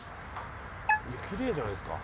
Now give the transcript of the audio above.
きれいじゃないですか。